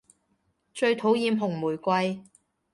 最討厭紅玫瑰